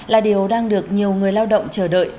là điều đang được nhiều người lao động chờ đợi